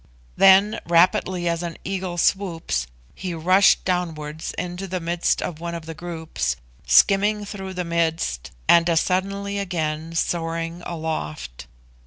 Then, rapidly as an eagle swoops, he rushed downwards into the midst of one of the groups, skimming through the midst, and as suddenly again soaring aloft.